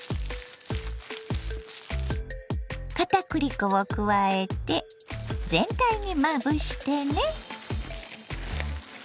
かたくり粉を加えて全体にまぶしてね。